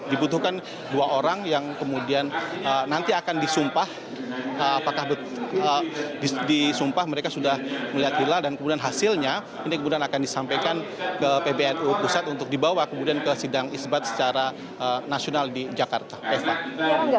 dibutuhkan dua orang yang kemudian nanti akan disumpah apakah disumpah mereka sudah melihat hilal dan kemudian hasilnya ini kemudian akan disampaikan ke pbnu pusat untuk dibawa kemudian ke sidang isbat secara nasional di jakarta